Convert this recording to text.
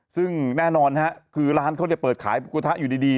ซึ่งแน่นอนคือร้านเขาเปิดขายกระทะอยู่ดี